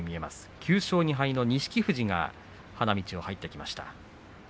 ９勝２敗の力士が花道を入ってきました。